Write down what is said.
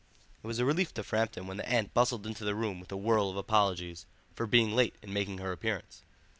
It was a relief to Framton when the aunt bustled into the room with a whirl of apologies for being late in making her appearance.